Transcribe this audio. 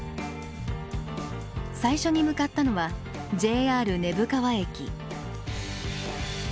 最初に向かったのはＪＲ根府川駅。